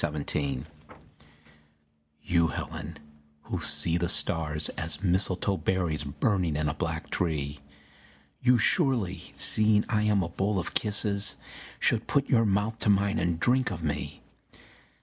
THE APPEAL You, Helen, who see the stars As mistletoe berries burning in a black tree, You surely, seeing I am a bowl of kisses, Should put your mouth to mine and drink of me.